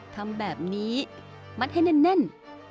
ทำแบบนี้มัดให้แน่น